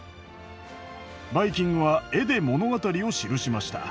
バイキングは絵で物語を記しました。